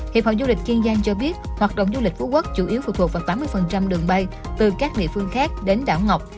hiệp phòng du lịch kiên giang cho biết hoạt động du lịch phú quốc chủ yếu phụ thuộc vào tám mươi đường bay từ các địa phương khác đến đảo ngọc